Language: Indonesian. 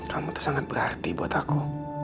kamu tuh sangat berarti buat aku